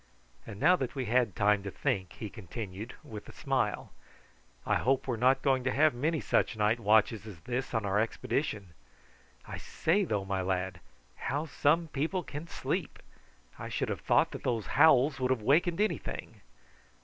And now that we found time to think, he continued, with a smile, "I hope we are not going to have many such night watches as this on our expedition. I say though, my lad, how some people can sleep! I should have thought that those howls would have wakened anything.